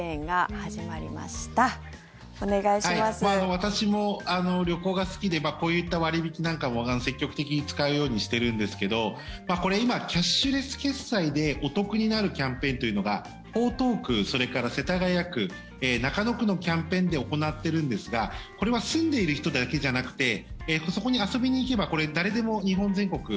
私も旅行が好きでこういった割引なんかも積極的に使うようにしてるんですけど今、キャッシュレス決済でお得になるキャンペーンが江東区、それから世田谷区中野区のキャンペーンで行っているんですがこれは住んでいる人だけじゃなくてそこに遊びに行けば誰でも日本全国